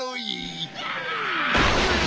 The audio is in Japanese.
うわ！